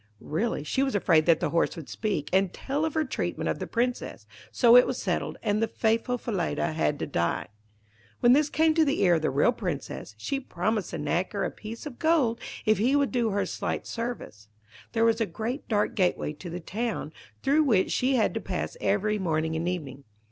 Really, she was afraid that the horse would speak, and tell of her treatment of the Princess. So it was settled, and the faithful Falada had to die. When this came to the ear of the real Princess, she promised the knacker a piece of gold if he would do her a slight service. There was a great dark gateway to the town, through which she had to pass every morning and evening.